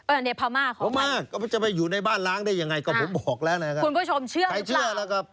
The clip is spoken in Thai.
เออในพม่าของพม่าคุณผู้ชมเชื่อหรือเปล่าคุณผู้ชมเชื่อหรือเปล่า